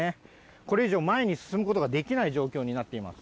これ以上、前に進むことができない状況になっています。